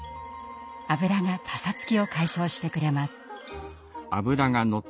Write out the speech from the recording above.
脂がパサつきを解消してくれます。